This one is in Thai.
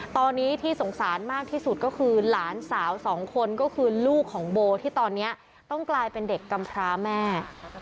ตอนนี้ที่สงสารมากที่สุดก็คือหลานสาวสองคนก็คือลูกของโบที่ตอนนี้ต้องกลายเป็นเด็กกำพร้าแม่